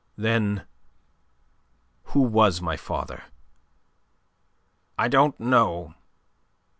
"Then, who was my father?" "I don't know.